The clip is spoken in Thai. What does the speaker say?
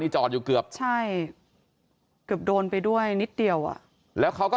จอดอยู่เกือบใช่เกือบโดนไปด้วยนิดเดียวอ่ะแล้วเขาก็